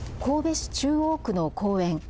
神戸市中央区の公園